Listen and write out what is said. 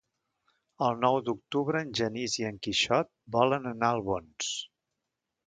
El nou d'octubre en Genís i en Quixot volen anar a Albons.